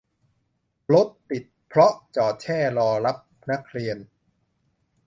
รถติดเพราะจอดแช่รอรับนักเรียน